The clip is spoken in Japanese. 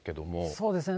そうですね。